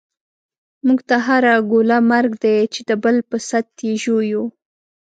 موږ ته هره ګوله مرګ دی، چی دبل په ست یی ژوویو